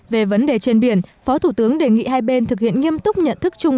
về vấn đề trên biển phó thủ tướng đề nghị hai bên thực hiện nghiêm túc nhận thức chung